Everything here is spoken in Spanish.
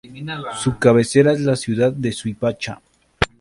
Su cabecera es la ciudad de Suipacha.